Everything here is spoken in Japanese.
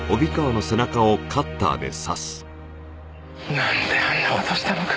なんであんな事したのか。